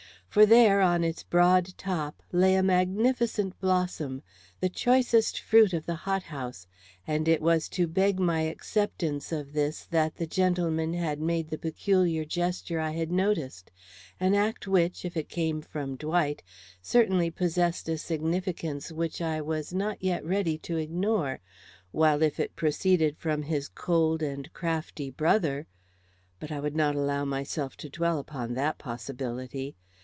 For there, on its broad top, lay a magnificent blossom, the choicest fruit of the hot house, and it was to beg my acceptance of this that the gentleman had made the peculiar gesture I had noticed an act which, if it came from Dwight, certainly possessed a significance which I was not yet ready to ignore; while, if it proceeded from his cold and crafty brother But I would not allow myself to dwell upon that possibility.